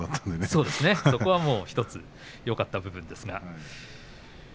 そこは１つよかった部分でしょうか。